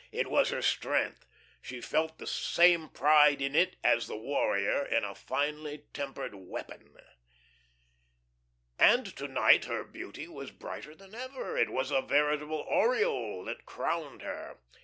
It was her strength. She felt the same pride in it as the warrior in a finely tempered weapon. And to night her beauty was brighter than ever. It was a veritable aureole that crowned her.